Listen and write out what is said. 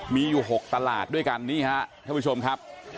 มีอยู่๖ตลาดด้วยกันนี่ฮะท่านผู้ชมครับ